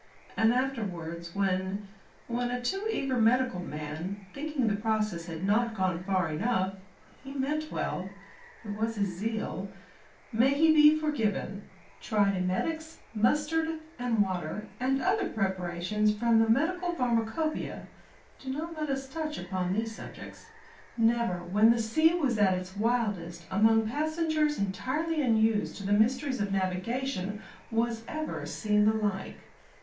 And, afterwards, when when a too eager medical man, thinking the process had not gone far enough he meant well; it was his zeal; may he be forgiven tried emetics, mustard and water, and other preparations from the medical pharmacop[oe]ia do not let us touch upon these subjects. Never, when the sea was at its wildest, among passengers entirely unused to the mysteries of navigation, was ever seen the like.